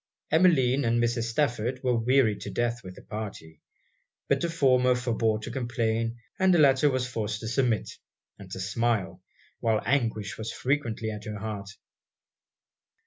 Emmeline and Mrs. Stafford were wearied to death with the party. But the former forbore to complain, and the latter was forced to submit, and to smile, while anguish was frequently at her heart.